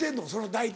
大体。